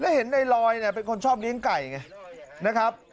เห็นในลอยเป็นคนชอบเลี้ยงไก่ไงนะครับ